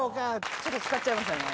ちょっと使っちゃいましたね。